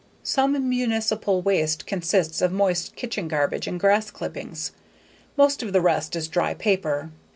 Some municipal waste consists of moist kitchen garbage and grass clippings. Most of the rest is dry paper.